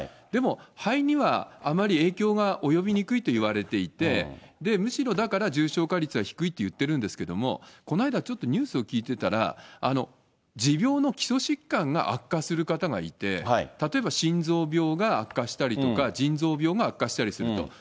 でも、肺にはあまり影響が及びにくいといわれていて、むしろだから重症化率は低いって言ってるんですけれども、この間、ちょっとニュースを聞いていたら、持病の基礎疾患が悪化する方がいて、例えば心臓病が悪化したりとか、腎臓病が悪化したりすると。